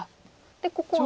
でここは。